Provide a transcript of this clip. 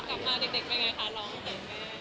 ดูว่าร้องก็คือเป็นไง